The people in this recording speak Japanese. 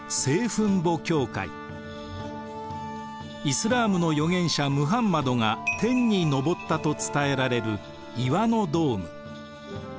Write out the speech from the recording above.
イスラームの預言者ムハンマドが天に昇ったと伝えられる岩のドーム。